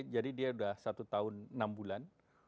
jadi dia sudah satu tahun enam bulan